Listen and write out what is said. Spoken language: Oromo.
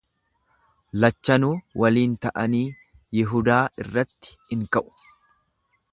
Lachanuu waliin ta'anii Yihudaa irratti in ka'u.